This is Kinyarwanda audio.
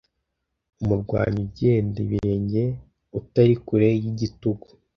Umurwanyi ugenda ibirenge utari kure yigitugu